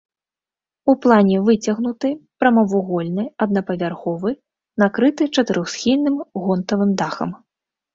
У плане выцягнуты, прамавугольны, аднапавярховы, накрыты чатырохсхільным гонтавым дахам.